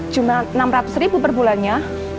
cuma enam ratus ribu per bulannya